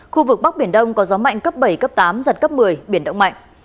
khu vực bắc biển đông có gió mạnh cấp bảy cấp tám giật cấp một mươi biển động mạnh